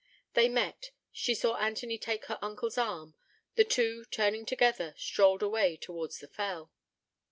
They met; she saw Anthony take her uncle's arm: the two, turning together, strolled away towards the fell.